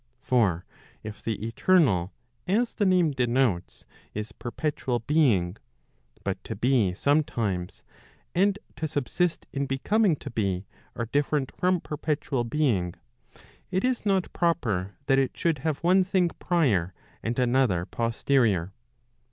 For if the eternal, as the name denotes, is perpetual being, but to be sometimes, 1 and to subsist in becoming to be, are different from perpetual being, it is not proper that it should have one thing prior and another posterior.